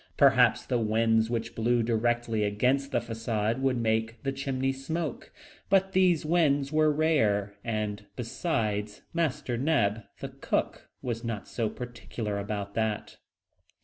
Perhaps the winds which blew directly against the facade would make the chimney smoke, but these winds were rare, and besides, Master Neb, the cook, was not so very particular about that.